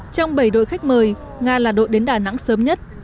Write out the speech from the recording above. trong bảy đội khách mời nga là đội đến đà nẵng sớm nhất